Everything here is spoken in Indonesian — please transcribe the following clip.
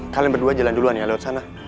kalian berdua jalan duluan ya lewat sana